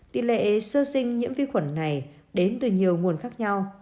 tỷ lệ sơ sinh nhiễm vi khuẩn này đến từ nhiều nguồn khác nhau